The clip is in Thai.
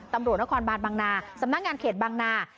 ตำรวจนครบานบางนาสำนักงานเขตบางนา